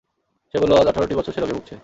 সে বলল, আজ আঠারটি বছর সে রোগে ভুগছে।